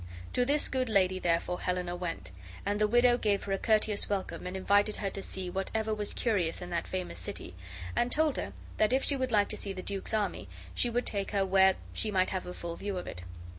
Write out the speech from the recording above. To this good lady, therefore, Helena went, and the widow gave her a courteous welcome and invited her to see whatever was curious in that famous city, and told her that if she would like to see the duke's army she would take her where she might have a full view of it.